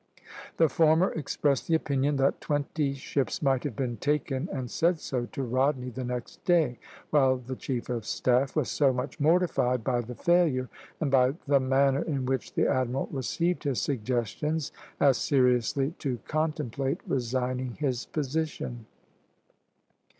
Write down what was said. The former expressed the opinion that twenty ships might have been taken, and said so to Rodney the next day; while the chief of staff was so much mortified by the failure, and by the manner in which the admiral received his suggestions, as seriously to contemplate resigning his position.